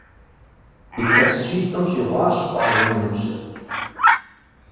Илъэс щитӏым щӏигъуащ къуажэм и ныбжьыр.